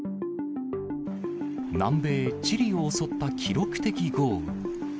南米チリを襲った記録的豪雨。